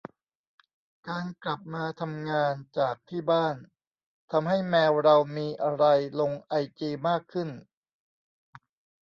การกลับมาทำงานจากที่บ้าน ทำให้แมวเรามีอะไรลงไอจีมากขึ้น